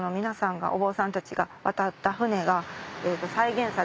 お坊さんたちが渡った船が再現されてる。